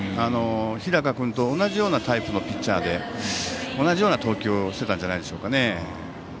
日高君と同じようなタイプのピッチャーで同じような投球をしていたんじゃないでしょうかね。